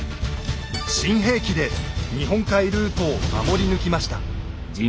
新兵器で日本海ルートを守り抜きました。